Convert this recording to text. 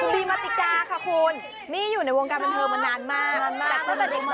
มีมาติกาค่ะคุณนี่อยู่ในวงการบันเทิงมานานมาก